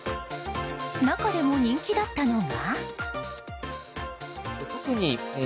中でも人気だったのが。